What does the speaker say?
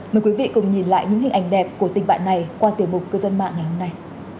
mời quý vị cùng nhìn lại những hình ảnh đẹp của tình bạn này qua tiểu mục cư dân mạng ngày hôm nay